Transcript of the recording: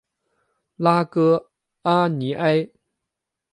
拉戈阿尼埃。